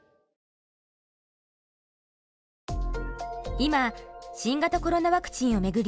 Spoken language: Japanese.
今新型コロナワクチンを巡り